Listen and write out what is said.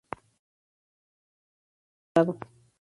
Era un caballo de color gris, castrado.